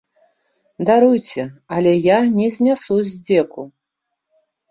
Даруйце, але я не знясу здзеку.